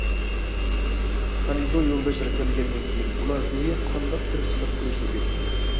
خەنزۇ يولداشلار كەلگەندىن كېيىن ئۇلار بىزگە قانداق تېرىقچىلىق قىلىشنى ئۆگەتتى.